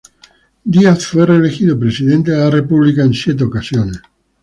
Díaz fue reelegido presidente de la República en siete ocasiones.